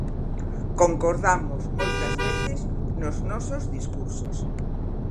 Concordamos moitas veces nos nosos discursos.